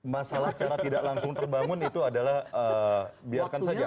masalah secara tidak langsung terbangun itu adalah biarkan saja